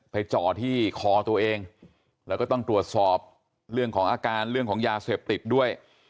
จ่อที่คอตัวเองแล้วก็ต้องตรวจสอบเรื่องของอาการเรื่องของยาเสพติดด้วย